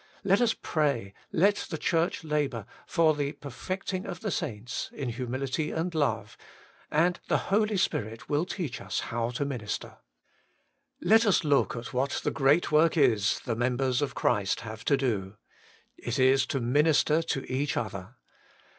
Let us pray, let 84 Working for God the Church labour for ' the perfecting of the saints ' in humiHty and love, and the Holy Spirit will teach us how to minister. Let us look at what the great work is the members of Christ have to do. It is to min ister to each other.